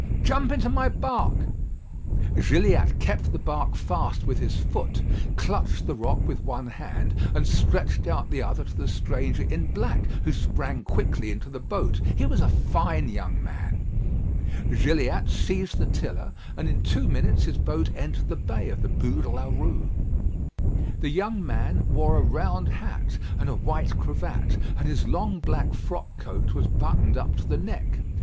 "Jump into my bark." Gilliatt kept the bark fast with his foot, clutched the rock with one hand, and stretched out the other to the stranger in black, who sprang quickly into the boat. He was a fine young man. Gilliatt seized the tiller, and in two minutes his boat entered the bay of the Bû de la Rue. The young man wore a round hat and a white cravat; and his long black frock coat was buttoned up to the neck.